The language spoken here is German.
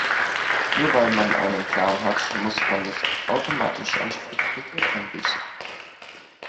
Nur weil man einen Plan hat, muss man nicht automatisch an Spontanität einbüßen.